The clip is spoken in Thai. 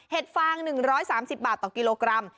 ฟาง๑๓๐บาทต่อกิโลกรัม